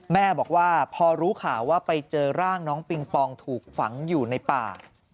แม่บอกว่าพอรู้ข่าวว่าไปเจอร่างน้องปิงปองถูกฝังอยู่ในป่า